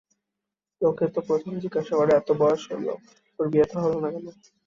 লোকে তো প্রথমেই জিজ্ঞাসা করে, এত বয়স হল ওঁর বিয়েথাওয়া হল না কেন।